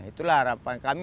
itulah harapan kami